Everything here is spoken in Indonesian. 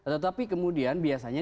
tetapi kemudian biasanya